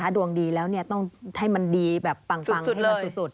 ดวงดีแล้วต้องให้มันดีแบบปังให้เร็วสุด